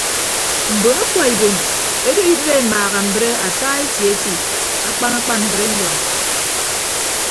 Mbon akwa ibom edo idịd emaaha mbre ata eti eti akpan akpan mbrenyọ.